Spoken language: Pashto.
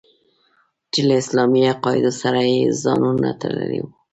چې له اسلامي عقایدو سره یې ځانونه تړلي وو.